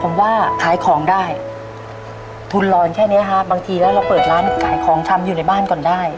ผมว่าขายของได้ทุนรอนแค่นี้ฮะบางทีแล้วเราเปิดร้านขายของชำอยู่ในบ้านก่อนได้